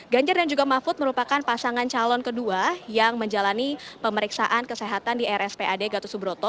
ganjar dan juga mahfud merupakan pasangan calon kedua yang menjalani pemeriksaan kesehatan di rspad gatus subroto